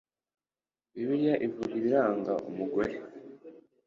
bibiliya ivuga ibiranga umugore